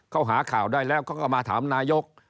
เขาหาข่าวได้แล้วเขาก็มาถามนายก